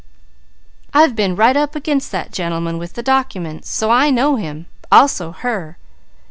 I've been right up against that gentleman with the documents, so I know him. Also her!